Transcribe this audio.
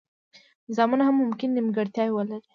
نظامونه هم ممکن نیمګړتیاوې ولري.